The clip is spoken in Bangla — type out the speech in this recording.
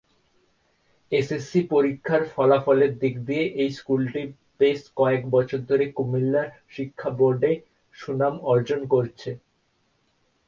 এস এস সি পরীক্ষার ফলাফলের দিক দিয়ে, এই স্কুলটি বেশ কয়েক বছর ধরে কুমিল্লা শিক্ষা বোর্ডে সুনাম অর্জন করছে।